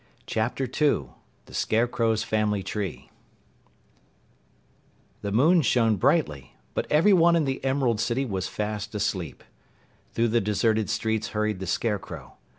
CHAPTER 2 THE SCARECROW'S FAMILY TREE The moon shone brightly, but everyone in the Emerald City was fast asleep! Through the deserted streets hurried the Scarecrow.